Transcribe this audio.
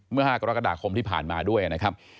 ๕กรกฎาคมที่ผ่านมาด้วยนะครับ